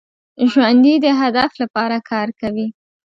ژوندي د هدف لپاره کار کوي